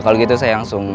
kalau gitu saya langsung